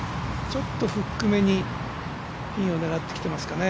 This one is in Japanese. ちょっとフックめにピンを狙ってきていますかね。